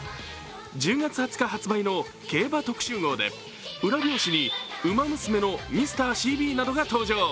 １０月２０日発売の競馬特集号で裏表紙に「ウマ娘」のミスターシービーなどが登場。